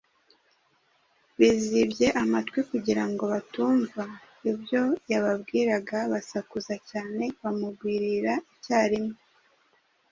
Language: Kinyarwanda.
Bizibye amatwi kugira ngo batumva ibyo yababwiraga, “ basakuza cyane, bamugwirira icyarimwe,